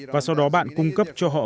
và sau đó bạn cung cấp cho họ